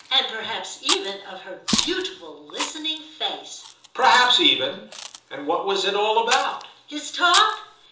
"And perhaps even of her beautiful listening face." "Perhaps even! And what was it all about?" "His talk?